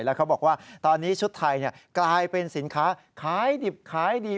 แล้วเขาบอกว่าตอนนี้ชุดไทยกลายเป็นสินค้าขายดิบขายดี